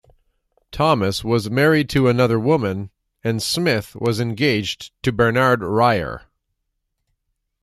Thomas was married to another woman, and Smith was engaged to Bernard Reiher.